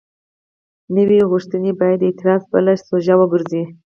نوې غوښتنه باید د اعتراض بله سوژه وګرځي.